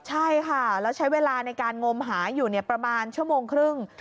ใช่ค่ะแล้วใช้เวลาในการงมหาอยู่ประมาณชั่วโมงครึ่ง